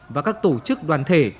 và các tổ chức đoàn thể